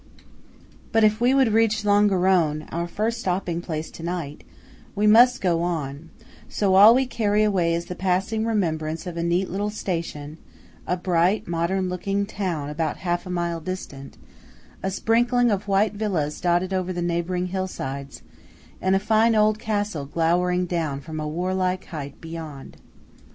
But if we would reach Longarone–our first stopping place–to night, we must go on; so all we carry away is the passing remembrance of a neat little station; a bright, modern looking town about half a mile distant; a sprinkling of white villas dotted over the neighboring hill sides; and a fine old castle glowering down from a warlike height beyond.